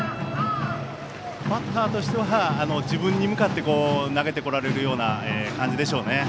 バッターとしては自分に向かって投げてこられるような感じでしょうね。